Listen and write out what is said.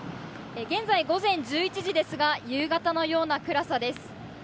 現在午前１１時ですが夕方のような暗さです。